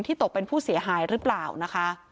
ตกเป็นผู้เสียหายหรือเปล่านะคะ